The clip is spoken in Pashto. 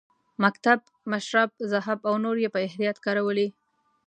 مکتب، مشرب، ذهب او نور یې په احتیاط کارولي.